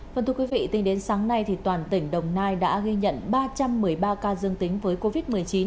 vâng thưa quý vị tính đến sáng nay toàn tỉnh đồng nai đã ghi nhận ba trăm một mươi ba ca dương tính với covid một mươi chín